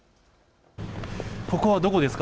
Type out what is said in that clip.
ここはどこですか。